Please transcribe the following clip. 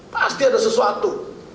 pasti ada sesuatu